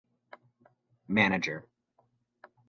Mgr.